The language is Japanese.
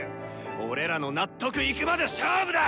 俺らの納得いくまで勝負だ！